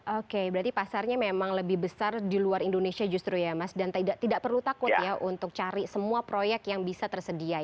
oke berarti pasarnya memang lebih besar di luar indonesia justru ya mas dan tidak perlu takut ya untuk cari semua proyek yang bisa tersedia